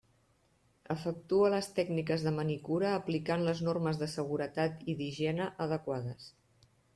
Efectua les tècniques de manicura aplicant les normes de seguretat i d'higiene adequades.